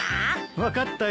分かったよ。